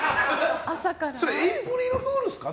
それエイプリルフールですか？